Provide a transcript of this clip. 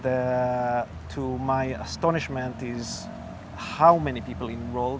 dan saya sangat kagum dengan berapa banyak orang yang terlibat